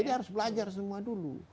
jadi harus belajar semua dulu